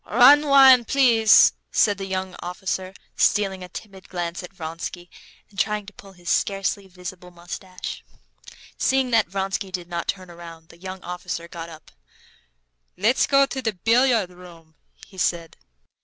"Rhine wine, please," said the young officer, stealing a timid glance at Vronsky, and trying to pull his scarcely visible mustache. Seeing that Vronsky did not turn round, the young officer got up. "Let's go into the billiard room," he said.